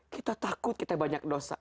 kita takut kita banyak dosa